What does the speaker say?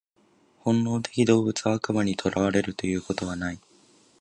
本能的動物は悪魔に囚われるということはない。